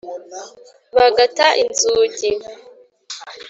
bagata inzugi.